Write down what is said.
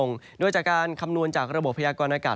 ก็จะมีการแผ่ลงมาแตะบ้างนะครับ